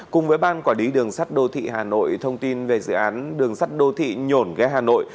cùng với ban quản lý đường sắt đô thị hà nội thông tin về dự án đường sắt đô thị nhổn ghe hà nội